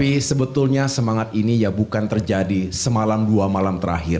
tapi sebetulnya semangat ini ya bukan terjadi semalam dua malam terakhir